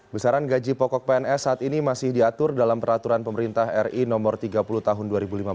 besaran gaji pokok pns saat ini masih diatur dalam peraturan pemerintah ri no tiga puluh tahun dua ribu lima belas